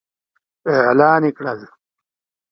اعلان يې کړل.